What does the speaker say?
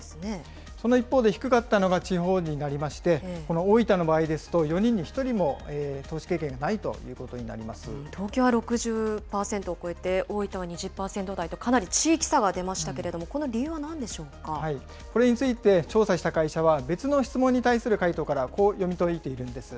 その一方で低かったのが地方になりまして、この大分の場合ですと、４人に１人も投資経験がないということに東京は６０％を超えて、大分は２０％台と、かなり地域差が出ましたけれども、この理由はこれについて、調査した会社は、別の質問に対する回答から、こう読み解いているんです。